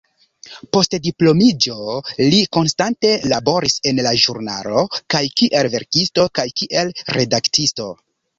Post diplomiĝo li konstante laboris en la ĵurnalo, kaj kiel verkisto kaj kiel redaktisto.